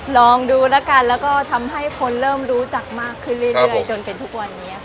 ลองดูแล้วกันแล้วก็ทำให้คนเริ่มรู้จักมากขึ้นเรื่อยจนเป็นทุกวันนี้ค่ะ